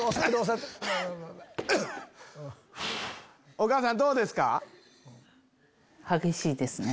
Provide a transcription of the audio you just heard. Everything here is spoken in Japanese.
お母さんどうですか？